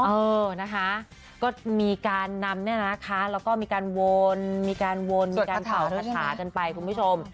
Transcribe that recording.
เออนะคะก็มีการนำเนี่ยนะคะแล้วก็มีการวนมีการวนมีการเป่าคาถากันไปคุณผู้ชม